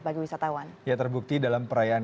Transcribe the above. bagi wisatawan ya terbukti dalam perayaan